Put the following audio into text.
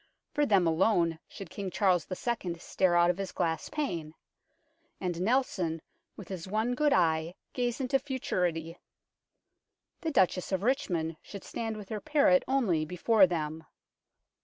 For them alone should King Charles II. stare out of his glass pane, and Nelson with his one good eye gaze into futurity. The Duchess of Richmond should stand with her parrot only before them.